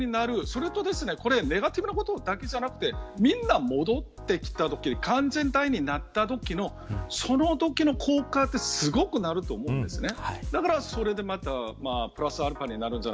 それとネガティブなことだけではなくみんな戻ってきたときの完全体になったときのそのときの効果はすごくなると思うんですね。